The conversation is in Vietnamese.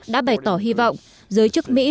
đã bày tỏ hy vọng giới chức mỹ